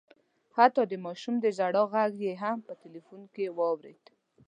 حتی د ماشوم د ژړا غږ یې هم په ټلیفون کي په واورېد